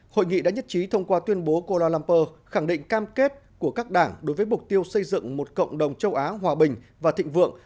hội nghị đã nhất trí thông qua tuyên bố kuala lumpur khẳng định cam kết của các đảng đối với mục tiêu xây dựng một cộng đồng châu á hòa bình và thịnh vượng